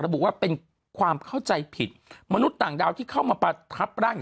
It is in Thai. ระบุว่าเป็นความเข้าใจผิดมนุษย์ต่างดาวที่เข้ามาประทับร่าง